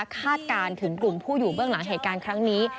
คาดการณ์ถึงกลุ่มผู้อยู่เบื้องหลังเหตุการณ์ครั้งนี้